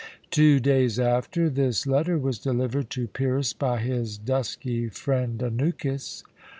Two days after, this letter was delivered to Pyrrhus by his dusky friend Anukis.